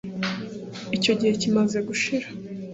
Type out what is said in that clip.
Icyo gihe kimaze gushira